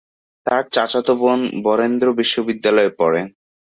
তার চাচাতো বোন বরেন্দ্র বিশ্ববিদ্যালয়ে পড়ে।